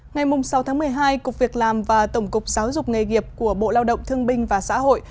ngày sáu tháng một mươi hai cục việc làm và tổng cục giáo dục nghề nghiệp của bộ lao động thương binh và xã hội